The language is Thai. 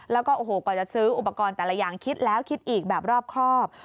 แล้วก็โอ้โหกว่าจะซื้ออุปกรณ์แต่ละอย่างคิดแล้วคิดอีกแบบรอบครอบ